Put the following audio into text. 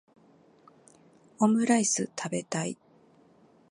オムライス食べたい